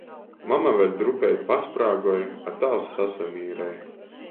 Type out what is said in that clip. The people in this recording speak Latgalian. Mama vēļ drupeit pasprāgoj, a tāvs sasamīrej.